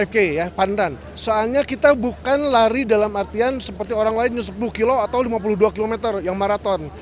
oke ya pandan soalnya kita bukan lari dalam artian seperti orang lain sepuluh kilo atau lima puluh dua km yang maraton